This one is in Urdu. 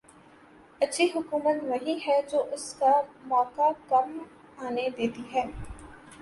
اچھی حکومت وہی ہے جو اس کا موقع کم آنے دیتی ہے۔